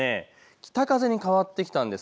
北風に変わってきたんです。